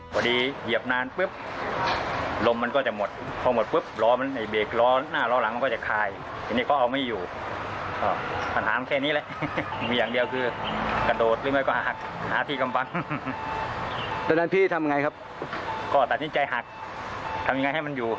การกำแพงทางมันใหญ่ก็คือเรื่องใหญ่